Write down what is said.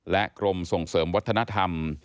และกรมส่งเสริมวัฒนธรรม